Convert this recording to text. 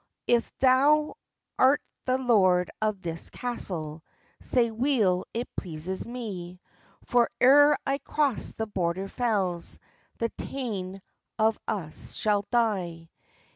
"If thou'rt the lord of this castle, Sae weel it pleases me! For, ere I cross the Border fells, The tane of us sall die."